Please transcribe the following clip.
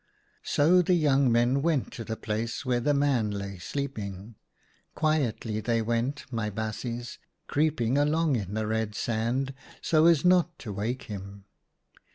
" So the young men went to the place where the man lay sleeping. Quietly they went, my baasjes, creeping along in the red sand so as not to wake him.